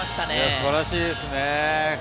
素晴らしいですね。